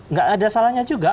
nggak ada salahnya juga